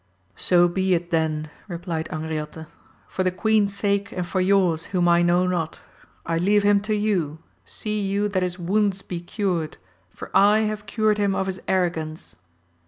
So be it then, replied Angriote, for the queen's sake and for your's whom I know not. I leave him to you, see you that his wounds be cured, for I have cured him of his arrogance.